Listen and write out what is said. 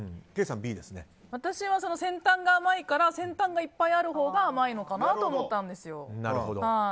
私は先端が甘いから先端がいっぱいあるほうが甘いのかなと思ったんですよ。